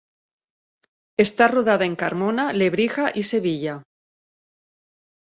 Está rodada en Carmona, Lebrija y Sevilla.